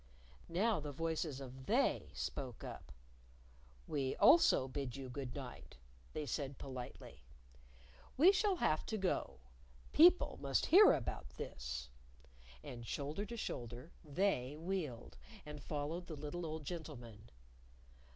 Now the voices of They spoke up. "We also bid you good night," They said politely. "We shall have to go. People must hear about this." And shoulder to shoulder They wheeled and followed the little old gentleman.